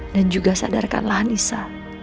dan juga sadarkanlah anissa